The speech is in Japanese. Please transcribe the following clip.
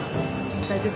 大丈夫？